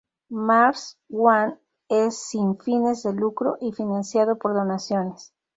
Mars One es sin fines de lucro y financiado por donaciones.